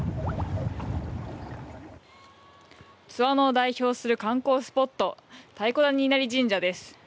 津和野を代表する観光スポット太皷谷稲成神社です。